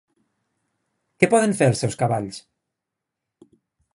Què poden fer els seus cavalls?